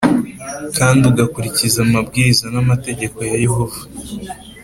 kandi ugakurikiza amabwiriza n’amategeko ya Yehova